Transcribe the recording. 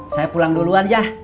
saya pulang duluan ya